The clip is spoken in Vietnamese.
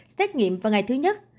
xét nghiệm vào ngày thứ nhất